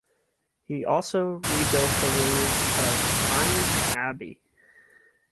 He also rebuilt the ruins of Chorin Abbey.